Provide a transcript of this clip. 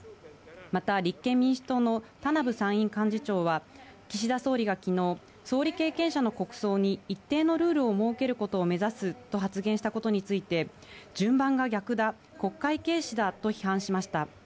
また立憲民主党の田名部参院幹事長が岸田総理が昨日、総理経験者の国葬に一定のルールを設けることを目指すと発言したことについて、順番が逆だ、国会軽視だと批判しました。